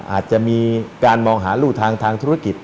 อาจจะมีการมองหารู่ทางทางธุรกิจ